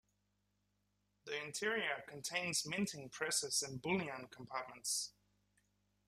The interior contains minting presses and bullion compartments.